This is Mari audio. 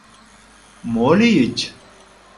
— Мо лийыч?